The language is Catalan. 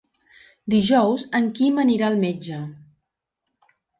Dijous en Quim anirà al metge.